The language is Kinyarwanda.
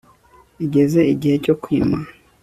igeze igihe cyo kwima